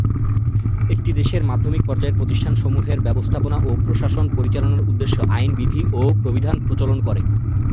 এটি দেশের মাধ্যমিক পর্যায়ের প্রতিষ্ঠান সমূহের ব্যবস্থাপনা ও প্রশাসন পরিচালনার উদ্দেশ্যে আইন, বিধি ও প্রবিধান প্রচলন করে।